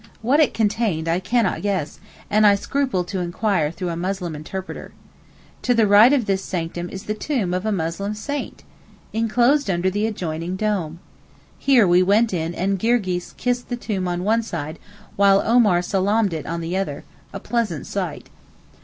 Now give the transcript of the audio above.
What it contained I cannot guess, and I scrupled to inquire through a Muslim interpreter. To the right of this sanctum is the tomb of a Muslim saint! enclosed under the adjoining dome. Here we went in and Girgis kissed the tomb on one side while Omar salaamed it on the other—a pleasant sight.